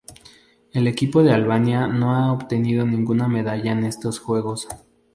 El equipo de Albania no ha obtenido ninguna medalla en estos Juegos.